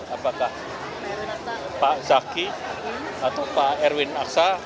apakah pak zaki atau pak erwin aksa